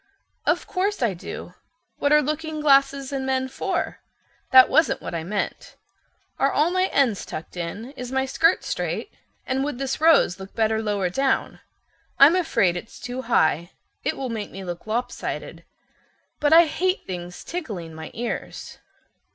"Of course I do. What are looking glasses and men for? That wasn't what I meant. Are all my ends tucked in? Is my skirt straight? And would this rose look better lower down? I'm afraid it's too high—it will make me look lop sided. But I hate things tickling my ears."